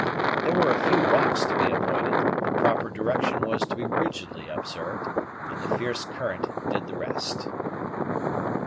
There were a few rocks to be avoided, the proper direction was to be rigidly observed, and the fierce current did the rest.